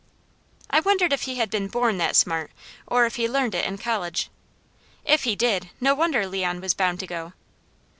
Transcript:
I wondered if he had been born that smart, or if he learned it in college. If he did, no wonder Leon was bound to go.